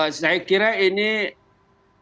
saya kira ini menjadikan